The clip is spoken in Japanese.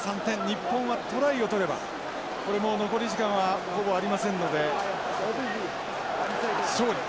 日本はトライを取ればこれもう残り時間はほぼありませんので勝利。